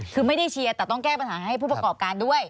คือไม่ได้เชียร์แต่ต้องแก้ปัญหาให้ผู้ประกอบการด้วย